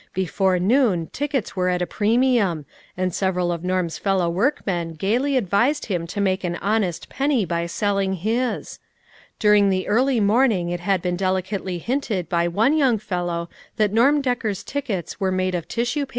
Before noon tickets were at a premium, and several of Norm's fellow workmen gayly advised him to make an honest penny by selling his. During the early morning it had been delicately hinted by one young fellow that Norm Decker's tickets were made of tissue 264 LITTtE FISHEBS : AND THEIB NETS.